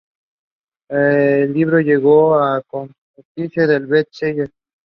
El libro llegó a convertirse en best seller.